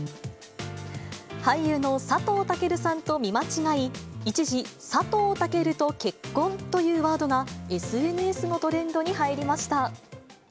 俳優の佐藤健さんと見間違い、一時、佐藤健と結婚というワードが、ＳＮＳのトレンドに入りました。